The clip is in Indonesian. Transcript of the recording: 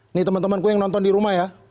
ini teman temanku yang nonton di rumah ya